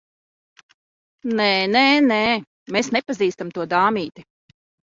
Nē, nē, nē. Mēs nepazīstam to dāmīti.